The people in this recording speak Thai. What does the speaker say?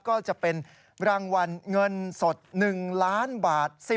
ก็จะเป็นรางวัลเงินสด๑ล้านบาท